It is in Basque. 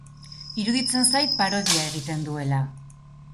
Iruditzen zait parodia egiten duela.